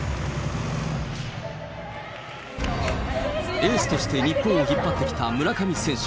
エースとして日本を引っ張ってきた村上選手。